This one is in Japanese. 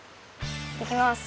いきます。